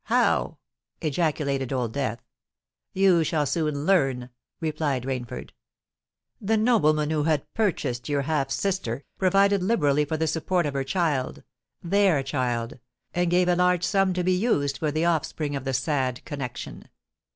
—how?" ejaculated Old Death. "You shall soon learn," replied Rainford. "The nobleman who had purchased your half sister, provided liberally for the support of her child—their child—and gave a large sum to be used for the offspring of that sad connexion.